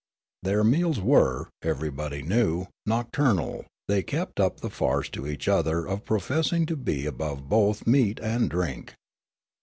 Their meals were, everybody knew, nocturnal; they kept up the farce to each other of professing to be above both meat and drink.